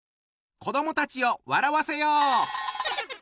子どもたちを笑わせよう！